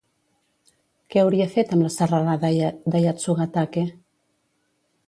Què hauria fet amb la serralada de Yatsugatake?